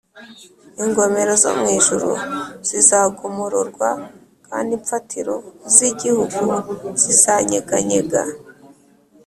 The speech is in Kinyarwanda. ingomero zo mu ijuru zizagomororwa kandi imfatiro z igihugu zizanyeganyega